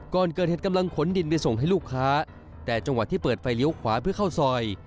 ก่อนเกิดเหตุกำลังขนดินไปส่งให้ลูกค้าแต่จังหวะที่เปิดไฟเลี้ยวขวาเพื่อเข้าซอย